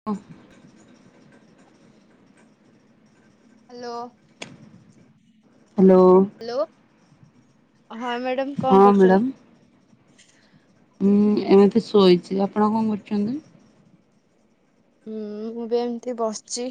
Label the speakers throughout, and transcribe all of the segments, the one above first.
Speaker 1: [unintelligible]
Speaker 2: Hello
Speaker 1: hello
Speaker 2: hello ହଁ madam
Speaker 1: ହଁ
Speaker 2: କଣ କରୁଛନ୍ତି?
Speaker 1: ହଁ ଏମିତି ଶୋଇଛି ଆପଣ କଣ କରୁଛନ୍ତି?
Speaker 2: ହୁଁ ମୁଁ ବି ଏମତି ବସିଛି।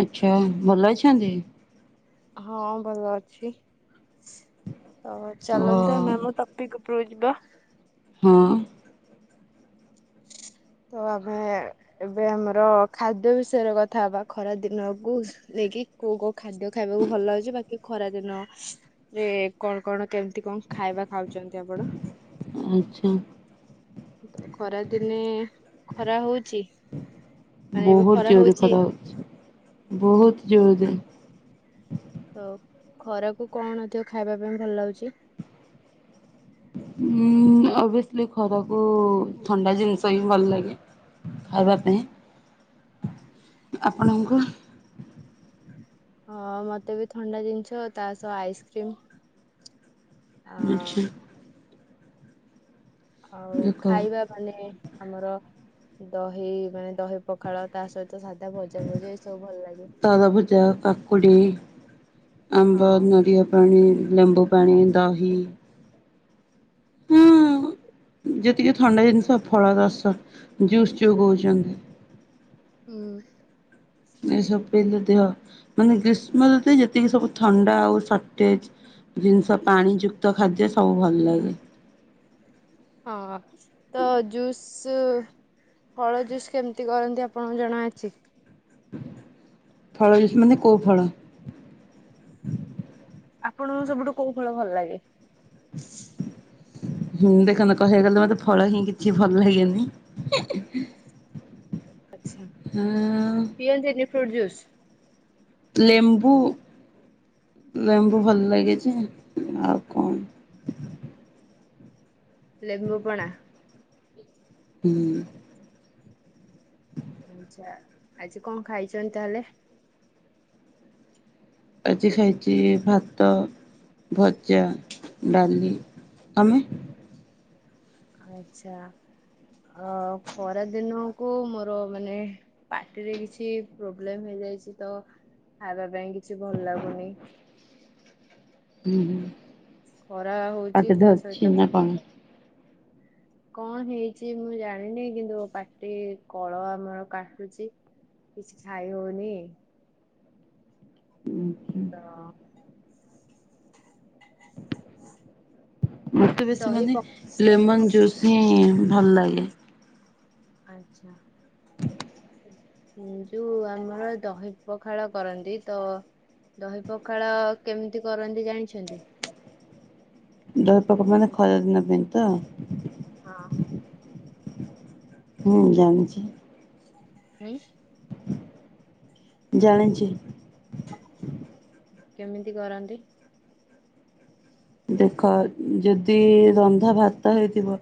Speaker 1: ଆଚ୍ଛା ଭଲ ଅଛନ୍ତି।
Speaker 2: ହଁ ଭଲ ଅଛି ତ
Speaker 1: ଓ
Speaker 2: ଚାଲନ୍ତୁ ଆମେ ଆମ ଟପିକ ପିକ ଉପରକୁ ଯିବା।
Speaker 1: ହଁ
Speaker 2: ତ ଆମେ ଏବେ ଆମର ଖାଦ୍ୟ ବିଷୟରେ କଥା ହବା ଖରା ଦିନକୁ ନେଇକି କୋଉ କୋଉ ଖାଦ୍ୟ ଖାଇବାକୁ ଭଲ ଲାଗୁଛି ବାକି ଖରା ଦିନ କଣ କଣ କେମିତି କଣ ଖାଇବା ଖାଉଛନ୍ତି ଆପଣ?
Speaker 1: ଆଚ୍ଛା
Speaker 2: ଖରା ଦିନେ ଖରା ହଉଛି। ମାନେ ଏବେ
Speaker 1: ବହୁତ ଜୋରେ
Speaker 2: ହଉଛି
Speaker 1: ଖରା ହଉଛି ବହୁତ ଜୋରେ।
Speaker 2: ତ ଖରାକୁ କଣଥିବ ଖାଇବା ପାଇଁ ଭଲ ଲାଗୁଛି।
Speaker 1: ହୁଁ। ଅଭିଅସ୍ଲି ଖରାକୁ ଥଣ୍ଡା ଜିନିଷ ହିଁ ଭଲ ଲାଗେ ଖାଇବା ପାଇଁ। ଆପଣଙ୍କୁ
Speaker 2: ହଁ ମତେ ବି ଥଣ୍ଡା ଜିନିଷ ତା ସହ ଆଇସ୍କ୍ରିମ୍
Speaker 1: ଆଛା।
Speaker 2: ଆଉ
Speaker 1: ଦେଖ
Speaker 2: ଖାଇବା ମାନେ ଆମର ଦହି ମାନେ ଦହି ପ ଖାଳ ତା ସହିତ ସାଧା ଭଜା ଭଜା ଏ ସବୁ ଭଲ ଲାଗେ।
Speaker 1: ଶାଗ ଭଜା କା କୁଡ଼ି ଆମ୍ବ
Speaker 2: ହଁ।
Speaker 1: ନଡ଼ିଆ ପାଣି ଲେମ୍ବୁ ପାଣି ଦହି ହଁ ଯେତିକି ଥଣ୍ଡା ଜିନିଷ ଫଳ ରସ ଜୁସ ଯୋଉ କଉଛନ୍ତି।
Speaker 2: ହୁଁ।
Speaker 1: ଏ ସବୁ ପିଇଲେ ଦେହ ମାନେ ଗ୍ରୀଷ୍ମ ଋତୁରେ ଯେତିକି ସବୁ ଥଣ୍ଡା ଆଉ ସର୍ଟେଜ ଜିନିଷ ପାଣି ଯୁକ୍ତ ଖାଦ୍ୟ ସବୁ ଭଲ ଲାଗେ।
Speaker 2: ହଁ ତ ଜୁସ୍ ଫଳ ଜୁସ୍ କେମିତି କରନ୍ତି ଆପଣଙ୍କୁ ଜଣାଅଛି।
Speaker 1: ଫଳ ଯୁସ୍ ମାନେ କୋଉ ଫଳ।
Speaker 2: ଆପଣଙ୍କୁ ସବୁଠୁ କୋଉ ଫଳ ଭଲ ଲାଗେ।
Speaker 1: ହୁଁ ଦେଖନ୍ତ କହିବାକୁ ଗଲେ ମତେ ଫଳ ହିଁ କିଛି ଭଲ ଲାଗେନି। [inaudible] ଆଁ
Speaker 2: ପିଅନ୍ତିନି ଫ୍ରୁଟ୍ ଜୁସ।
Speaker 1: ଲେମ୍ବୁ ଲେମ୍ବୁ ଭଲ ଲାଗିଛି ଆଉ କଣ।
Speaker 2: ଲେମ୍ବୁ ପଣା।
Speaker 1: ହୁଁ।
Speaker 2: ଆଜି କଣ ଖାଇଛନ୍ତି ତାହେଲେ।
Speaker 1: ଆଜି ଖାଇଛି ଭାତ ଭଜା ଡାଲି ତମେ।
Speaker 2: ଆଛା ଅ ଖରା ଦିନକୁ ମୋର ମାନେ ପାଟିରେ କିଛି ପ୍ରୋବ୍ଲେମ ହେଇଯାଇଛି ତ ଖାଇବା ପାଇଁ କିଛି ଭଲ ଲାଗୁନି।
Speaker 1: ହୁଁ ହୁଁ
Speaker 2: ଖରା ହଉଛି
Speaker 1: ପାଟି
Speaker 2: ତା
Speaker 1: ଧରଛି
Speaker 2: ସହିତ ପା
Speaker 1: ନା କଣ।
Speaker 2: କଣ ହେଇଛି ମୁଁ ଜାଣିନି କିନ୍ତୁ ପାଟି କଳ ଆ ମର କାଟୁଛି। କିଛି ଖାାଇ ହଉନି।
Speaker 1: ଉଁ ହୁଁ।
Speaker 2: [inaudible]
Speaker 1: ମତେ ବେଶୀ
Speaker 2: ଦହି
Speaker 1: ମାନେ
Speaker 2: ପ
Speaker 1: ଲେମନ ଜୁସ୍ ହିଁ ଭଲ ଲାଗେ।
Speaker 2: ଆଚ୍ଛା।
Speaker 1: [inaudible]
Speaker 2: ଉ ଯୋଉ ଆମର ଦହି ପଖାଳ କରନ୍ତି ତ ଦହି ପଖାଳ କେମିତି କରନ୍ତି ଜାଣିଛନ୍ତି।
Speaker 1: ଦହି ପକ ମାନେ ଖରା ଦିନ ପାଇଁ ତ।
Speaker 2: ହଁ।
Speaker 1: ହୁଁ ଜାଣିଛି।
Speaker 2: ହୁଁ।
Speaker 1: ଜାଣିଚି।
Speaker 2: କେମିତି କରନ୍ତି।
Speaker 1: ଦେଖ ଯଦି ରନ୍ଧା ଭାତ ହେଇଥିବ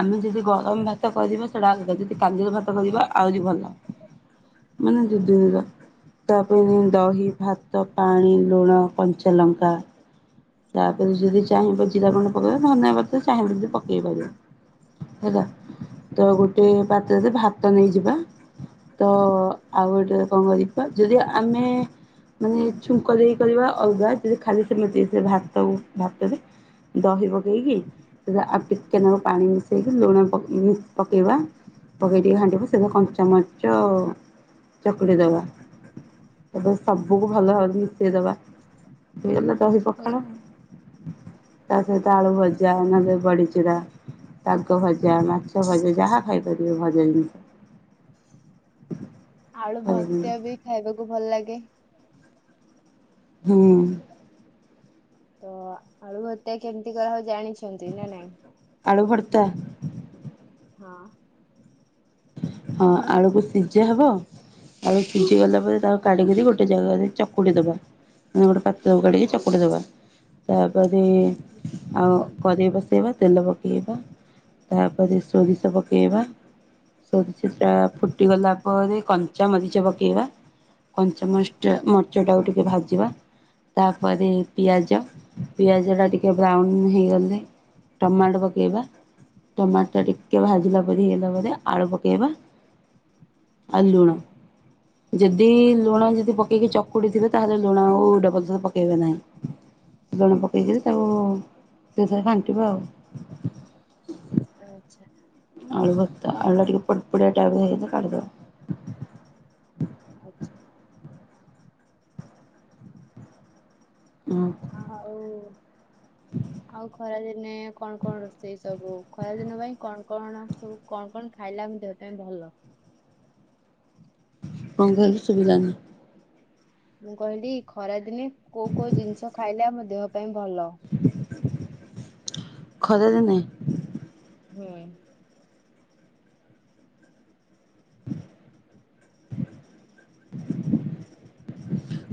Speaker 1: ଆମେ ଯଦି ଗରମ ଭାତ କରିବା ସେଇଟା ଯଦି କାଦୁଅ ଭାତ କରିବା ଆହୁରି ଭଲ। ମାନେ ଦି
Speaker 2: ଉଁ
Speaker 1: ଦିନର। ତା ପାଇଁ ଦହି ଭାତ ପାଣି ଲୁଣ କଞ୍ଚାଲଙ୍କା। ତାପରେ ଯ ଯିଏ ଚାହିଁବ ଜିରା ଗୁଣ୍ଡ ପକେଇବ ନହେନେ ପା ଧନିଆ ପତର ଚାହିଁବ ଯଦି ପକେଇ ପାରିବ। ହେଲା ତ ଗୋଟେ ପାତ୍ରରେ ଭାତ ନେଇଯିବା। ତ ଆଉ ଗୋଟେ କଣ କରିବା ଯଦି ଆମେ ମାନେ ଛୁଙ୍କ ଦେଇ ପାରିବା ଅଲଗା ଯଦି ଖାଲି ସେମିତି ସେ ଭାତ ଭାତରେ ଦହି ପକେଇକି। ଆଉ ଟିକେନାକୁ ପାଣି ମିଶେଇକି ଲୁଣ ପକେଇ ପକେଇବା। ପକେଇ ଟିକେ ହାଣ୍ଡିକୁ ସେ କଞ୍ଚ ମରିଚ ଚକୁଟି ଦେବା। ଏବେ ସବୁକୁ ଭଲ ଭାବେ ମିଶେଇଦବା। ହେଇଗଲା ଦହି ପଖାଳ ତା ସହିତ ଆଳୁ
Speaker 2: ହୁଁ।
Speaker 1: ଭଜା। ନହେଲେ ବଢ଼ିଚୁରା। ଶାଗ ଭଜା ମାଛ ଭଜା ଯାହା ଖାଇପାରିବେ ଭଜା ଜିନିଷ।
Speaker 2: ଆଳୁ ଭର୍ତା
Speaker 1: ହୁଁ
Speaker 2: ବି ଖାଇବାକୁ ଭଲ ଲାଗେ।
Speaker 1: ହୁଁ।
Speaker 2: ତ ଆଳୁ ଭର୍ତା କେମିତି କରାହୁଏ ଜାଣିଛନ୍ତି ନା ନାଇଁ।
Speaker 1: ଆଳୁ ଭର୍ତା।
Speaker 2: ହଁ।
Speaker 1: ହଁ ଆଳୁକୁ ସିଜା ହବ ଆଳୁ ସିଜି ଗଲା ପରେ ତାକୁ କାଢିକିରି ଗୋଟେ ଜାଗାରେ ଚକୁଡି ଦବା। ମାନେ ଗୋଟେ ପାତ୍ରକୁ କାଢିକି ଚକୁଟି ଦବା ତାପରେ ଆଉ କରେଇ ବସେଇବା ତେଲ ପକାଇବା ତାପରେ ସୋରିଷ ପକାଇବା ସୋରିଷ ଟା ଫୁଟି ଗଲା ପରେ କଞ୍ଚା ମରିଚ ପକେଇବା। କଞ୍ଚା ମରିଚିଟା ମରିଚଟାକୁ ଟିକେ ଭାଜିବା। ତାପରେ ପିଆଜ ପିଆଜ ଟା ଟିକେ ବ୍ରାଉନ ହେଇଗଲେ ଟମାଟ ପକେଇବା ଟମାଟ ଟା ଟିକେ ଭାଜିଲା ପରି ହେଇଲା ପରେ ଆଳୁ ପକେଇବା ଆଉ ଲୁଣ ଯଦି
Speaker 2: ହୁଁ
Speaker 1: ଲୁଣ ଯଦି ପ କେଇକି ଚକୁଡିଥିବେ ତାହେଲେ ଲୁଣ ଆଉ ଡବଲ୍ ଥର ପକେଇବେ ନାହିଁ। ଲୁଣ ପକେଇକିରି
Speaker 2: ଆଚ୍ଛା
Speaker 1: ତାକୁ ସେଇଥିରେ ଘାଣ୍ଟିବା ଆଉ।
Speaker 2: ଆଚ୍ଛା।
Speaker 1: ଅଳୁ ଭର୍ତା ଆଳୁ ଟା ଟିକେ ପୋଡ଼ ପୋଡ଼ିଆ ଟାଇପ ର ହେଇଗଲେ କାଢିଦବା।
Speaker 2: ଆଚ୍ଛା।
Speaker 1: ହଁ।
Speaker 2: ହଁ ହଉ ଆଉ ଖରାଦିନେ କଣ କଣ ରୋଷେଇ ସବୁ ଖରା ଦିନ ପାଇଁ କଣ କଣ ସବୁ କଣ କଣ ଖାଇଲା ଆମ ଦେହ ପାଇଁ ଭଲ।
Speaker 1: କଣ କହିଲୁ ସୁବିଲା ନି।
Speaker 2: ମୁଁ କହିଲି ଖରାଦିନେ କୋଉ କୋଉ ଜିନିଷ ଖାଇଲେ ଆମ ଦେହ ପାଇଁ ଭଲ।
Speaker 1: ଖରା ଦିନେ
Speaker 2: ହୁଁ।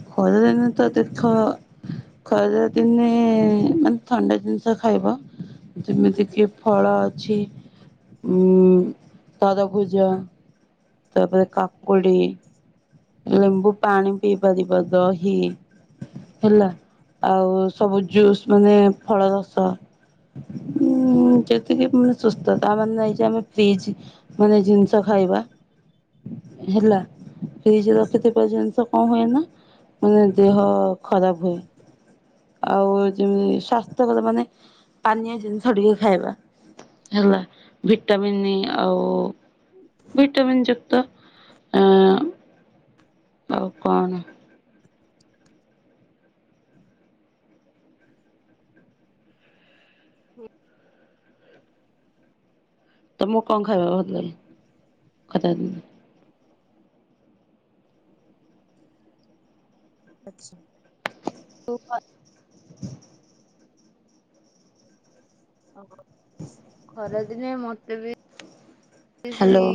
Speaker 1: ଖରାଦିନେ ତ ତୀଖ ଖରା ଦିନେ ମାନେ ଥଣ୍ଡା ଜିନିଷ ଖାଇବ। ଯେମିତି କିି ଫଳ ଅଛି ଉ ତରଭୂଜ ତାପରେ କାକୁଡି
Speaker 2: ହୁଁ
Speaker 1: ଲେମ୍ବୁପାଣି ପିଇ ପାରିବା ଦହି। ହେଲା ଆଉ ସବୁ ଜୁସ୍ ମାନେ ଫଳ ରସ।
Speaker 2: ହୁଁ।
Speaker 1: ଯେତିକିମାନେ ସୁସ୍ଥ ତା ମାନେ ନାହିଁ ଯେ ଆମେ ଫ୍ରିଜ ମାନେ ଜିନ୍ଷ ଖାଇବା। ହେଲା। ଫ୍ରିଜି ରଖିଥିବା ଜିନିଷ କଣ ହୁଏ ନା ମାନେ ଦେହ ଖରାପ ହୁଏ। ଆଉ ଯେମିତି ସ୍ଵାସ୍ଥ୍ୟକର ମାନେ ପାନୀୟ ଜିନିଷ ଟିକେ ଖାଇବା। ହେଲା ଭିଟାମିିନି ଆଉ ଭଟାମିନ୍ ଯୁକ୍ତ ଆ ଆଉ କଣ
Speaker 2: ହୁଁ।
Speaker 1: ତମକୁ କଣ ଖାଇବା ଭଲ ଲାଗେ ଖରାଦିନେ?
Speaker 2: [inaudible] ଖରାଦିନେ ମତେ ବି
Speaker 1: ହ୍ୟାଲୋ।
Speaker 2: ସେଇ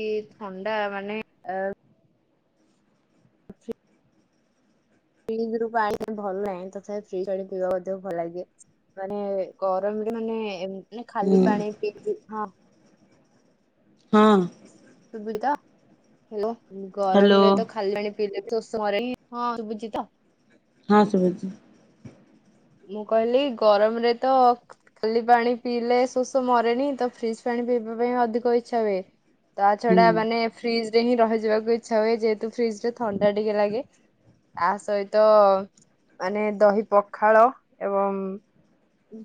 Speaker 2: କି ଥଣ୍ଡା ମାନେ ଆ ଫ୍ରିଜରୁ ପାଣି ଭଲ ନାହିଁ ତଥାପି ଫ୍ରିଜ ପାଣି ପିଇବା ଭଲ ଲାଗେ। ମାନେ ଗରମରେ ମାନେ
Speaker 1: ହୁଁ
Speaker 2: ଖାଲି ପାଣି ପିଇକି ହଁ।
Speaker 1: ହଁ।
Speaker 2: ସୁବିଧା
Speaker 1: ହ୍ୟାଲୋ
Speaker 2: ଗରମରେ ତ ଖାଲି ପାଣି। [inaudible]
Speaker 1: ହଁ ଶୁଭୁଚି।
Speaker 2: ମୁଁ କହିଲି ଗରମରେ ତ ଖାଲି ପାଣି ପିଇଲେ ଶୋଷ ମରେନି ତ ଫ୍ରିଜ୍ ପାଣି ପିଇବା ପାଇଁ ଅଧିକ ଇଚ୍ଛା ହୁଏ। ତା
Speaker 1: ହୁଁ
Speaker 2: ଛଡା ମାନେ ଫ୍ରିଜରେ ହିଁ ରହିଯିବାକୁ ଇଚ୍ଛା ହୁଏ ଯେହେତୁ ଫ୍ରିଜଟା ଥଣ୍ଡା ଟିକେ ଲାଗେ। ତା ସହିତ ମାନେ, ଦହି, ପଖାଳ, ଏବଂ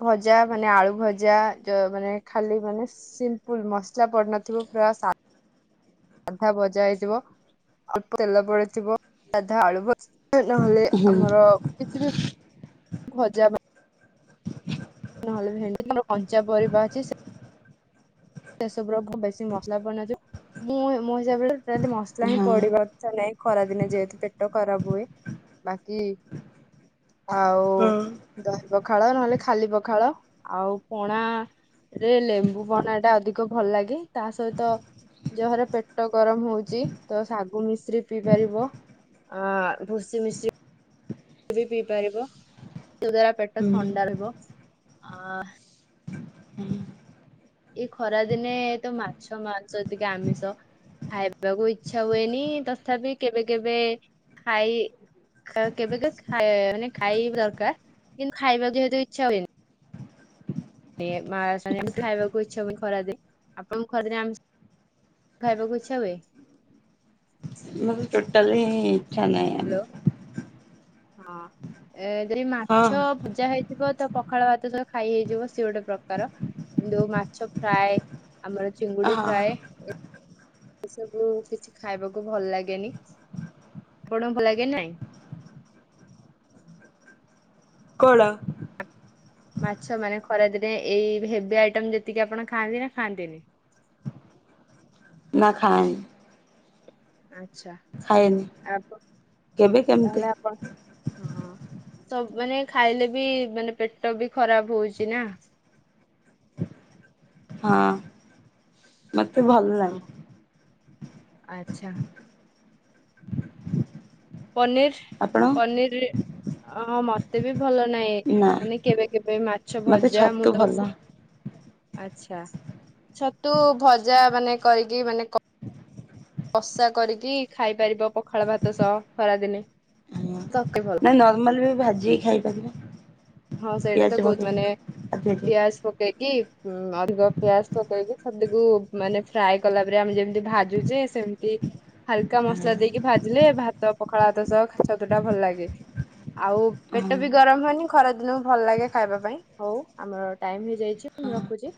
Speaker 2: ଭଜା, ମାନେ, ଆଳୁ, ଭଜା, ଯ ମାନେ ଖାଲି ମାନେ ସିମ୍ପୁଲ ମସଲା ପଡନଥିବ ପ୍ରାୟା ସା ସାଧା, ଭଜା, ହେଇଥିବ ଅଳ୍ପ ତେଲ ପଡିଥିବ ସାଧା, ଆଳୁଭ ନହେଲେ
Speaker 1: ହୁଁ
Speaker 2: ଆମର କିଛି ବି, ଭଜା, ବା ନହେଲେ ଆମର କଞ୍ଚା ପରିବା ଅଛି ସେ ସେସବୁର ବେଶୀ ମସଲା ବନାଯାଏ ମୁଁ ମୋ ହିସାବରେ ଯଦି ମସଲା ହିଁ
Speaker 1: ହଁ
Speaker 2: ପଡିବା ନାଇ ଖରାଦିନେ ଯେହେତୁ ପେଟ ଖରାପ ହୁଏ ବାକି ଆଉ
Speaker 1: ହଁ
Speaker 2: ଦହି, ପଖାଳ, ନହେଲେ ଖାଲି, ପଖାଳ, ଆଉ ପଣା ରେ, ଲେମ୍ବୁ, ପଣାଟା ଅଧି କ ଭଲ ଲାଗେ ତା ସହିତ ଯାହର ପେଟ ଗରମ ହଉଚି ତ, ଶାଗୁ, ମିଶ୍ରି, ପିଇ ପାରିବ। ଆ ଭୁଷ୍ସି ମିଶୀ ବି ପିଇ ପାରିବ ତା ଦ୍ଵାରା ପେଟ
Speaker 1: ହୁଁ
Speaker 2: ଥଣ୍ଡା ରହିବ ଆ
Speaker 1: ହୁଁ
Speaker 2: ଏଇ ଖରାଦିନେ ତ, ମାଛ, ମାଂସ, ଟିକେ ଆମିଷ ଖାଇବାକୁ ଇଚ୍ଛା ହୁଏନି ତଥାପି କେବେ କେବେ ଖାଇ କେବେ କେବେ ଖାଇ ମାନେ ଖାଇବା ଦରକାର କିନ୍ତୁ ଖାଇବାକୁ ଯେହେତୁ ଇଚ୍ଛା ହୁଏନି। [inaudible] ଖାଇବାକୁ ଇଚ୍ଛା ହୁଏନିଆପଣଙ୍କୁ ଖରା ଦିନେ ଆମିଷ ଖାଇବାକୁ ଇଚ୍ଛା ହୁଏ।
Speaker 1: ମୋର ଟୋଟାଲି ହି ଇଚ୍ଛା ନାହିଁ
Speaker 2: ହ୍ୟାଲୋ
Speaker 1: ଆ
Speaker 2: ହଁ ଏ ଯଦି ମାଛ
Speaker 1: ହଁ
Speaker 2: ଭଜା ହେଇ ଥିବ ତ ପଖାଳ ଭାତ ସହ ଖାଇ ହେଇଯିବ ସିଏ ଗୋଟେ ପ୍ରକାର କିନ୍ତୁ ମାଛ ଫ୍ରାଏ ଆମର ଚିଙ୍ଗୁଡି
Speaker 1: ହଁ
Speaker 2: ଫ୍ରାଏ ଏ ସବୁ କିଛି ଖାଇବାକୁ ଭଲ ଲାଗେନି ଆପଣଙ୍କୁ ଭଲ ଲାଗେ ନାଇଁ?
Speaker 1: କଣ?
Speaker 2: ମାଛ ମାନେ ଖରାଦିନେ ଏଇ ହେବି ଆଇଟମ ଯେତିକି ଆପଣ ଖାଆନ୍ତି ନା ଖାଆନ୍ତିନି?
Speaker 1: ନା ଖାଏ
Speaker 2: ଆଚ୍ଛା
Speaker 1: ଖାଏନି
Speaker 2: ଆପ
Speaker 1: କେବେ କେମିତି
Speaker 2: ତାହେଲେ ଆପଣ ହଁ ସବୁ ମାନେ ଖାଇଲେ ବି ମାନେ ପେଟ ବି ଖରାପ ହଉଛି ନା?
Speaker 1: ହଁ। ମୋତେ ଭଲ
Speaker 2: ଓ
Speaker 1: ନାଇ
Speaker 2: ଆଚ୍ଛା। ପନିର
Speaker 1: ଆପଣ
Speaker 2: ପନିର ମତେ ବି ଭଲ ନା ନାଇ
Speaker 1: ନା
Speaker 2: ମାନେ କେବେ କେବେ ମାଛ
Speaker 1: ମତେ
Speaker 2: ଭଜା
Speaker 1: ଛତୁ
Speaker 2: ମୁଁ ତ
Speaker 1: ଭଲ
Speaker 2: ଆଚ୍ଛା ଛତୁ ଭଜା ମାନେ କରିକି ମାନେ କଷା କରିକି ଖାଇପାରିବ ପଖାଳ ଭାତ ସହ ଖରାଦିନେ ତ ଭଲ
Speaker 1: ନର୍ମାଲି ବି ଭାଜିି କି ଖାଇପାରିବା।
Speaker 2: ହଁ, ସେଇଟା
Speaker 1: ପିଆଜ
Speaker 2: ତ କହୁଛି ମାନେ
Speaker 1: ପକେଇକି ଆଧିଅରେ
Speaker 2: ପିଆଜ ପ ପକେଇକି ଅଧିକ ପିଆଜ ପକେଇକି ଛତୁକୁ ମାନେ ଫ୍ରାଏ କଲା ପରିକା ଆମେ ଯେମିତି ଭାଜୁ ଛେ ସେମିତି ହାଲକା ମସଲା ଦେଇକି ଭାଜିଲେ ଭାତ ପଖାଳ ଭାତ ସହ ଛତୁ ଟା ଭଲ ଲାଗେ। ଆଉ
Speaker 1: ହଁ
Speaker 2: ପେଟ ବି ଗରମ ହୁଉନି। ଖରା ଦିନକୁ ଭଲ ଲାଗେ ଖାଇବା ପାଇଁ, ହଉ ଆମର ଟାଇମ ହେଇଯାଇଛି
Speaker 1: ହଁ
Speaker 2: ମୁଁ ରଖୁଛି।